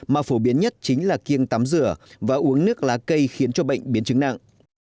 mà phổ biến nhất chính là kiêng tắm rửa và uống nước lá cây khiến cho bệnh biến chứng nặng